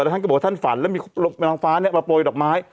แล้วท่านก็บอกว่าท่านฝันแล้วมีหลงฟ้าเนี่ยมาปล่อยดอกไม้